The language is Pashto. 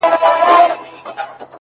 ستا د سونډو د خندا په خاليگاه كـي،